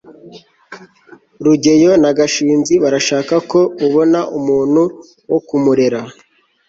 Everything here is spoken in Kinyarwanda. rugeyo na gashinzi barashaka ko ubona umuntu wo kumurera